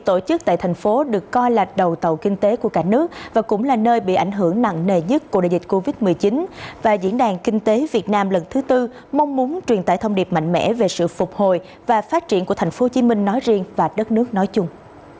tổ chức tại thành phố được coi là đầu tàu kinh tế của cả nước và cũng là nơi bị ảnh hưởng nặng nề nhất của đại dịch covid một mươi chín và diễn đàn kinh tế việt nam lần thứ tư mong muốn truyền tải thông điệp mạnh mẽ về sự phục hồi và phát triển của tp hcm nói riêng và đất nước nói chung